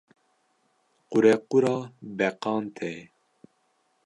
Qurequra beqan tê.